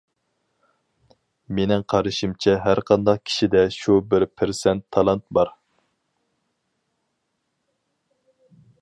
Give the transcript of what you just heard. مىنىڭ قارىشىمچە ھەر قانداق كىشىدە شۇ بىر پىرسەنت تالانت بار.